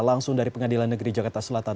langsung dari pengadilan negeri jakarta selatan